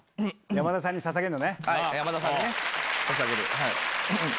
山田さんにささげる。